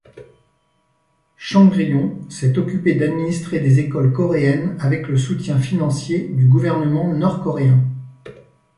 Chongryon s'est occupée d'administrer des écoles coréennes avec le soutien financier du gouvernement nord-coréen.